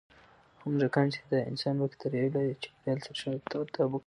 هغه موږکان چې د انسان بکتریاوې لري، د چاپېریال سره ښه تطابق کوي.